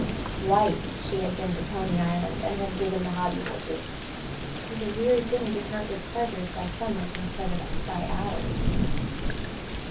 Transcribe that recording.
Twice she had been to Coney Island and had ridden the hobby horses. 'Tis a weary thing to count your pleasures by summers instead of by hours.